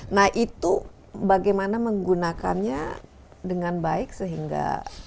nah itu bagaimana menggunakannya dengan baik sehingga